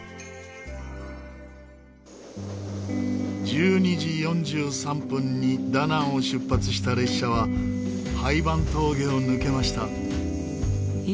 １２時４３分にダナンを出発した列車はハイヴァン峠を抜けました。